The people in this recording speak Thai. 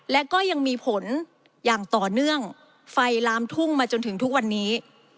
และก็ยังมีผลอย่างต่อเนื่องไฟลามทุ่งมาจนถึงทุกวันนี้